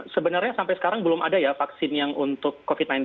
sebenarnya sampai sekarang belum ada ya vaksin yang untuk covid sembilan belas